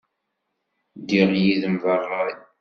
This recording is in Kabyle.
Ddiɣ yid-m deg ṛṛay.